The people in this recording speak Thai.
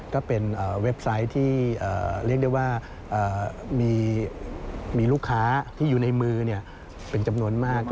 ก็เป็นเว็บไซต์ที่เรียกได้ว่ามีลูกค้าที่อยู่ในมือเป็นจำนวนมาก